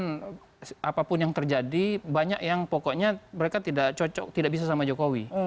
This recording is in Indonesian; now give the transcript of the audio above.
tokoh tokoh itu kan apapun yang terjadi banyak yang pokoknya mereka tidak cocok tidak bisa sama jokowi